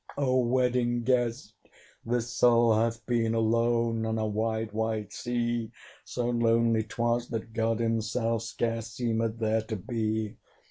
O Wedding Guest! this soul hath been Alone on a wide wide sea: So lonely 'twas, that God himself Scarce seemed there to be.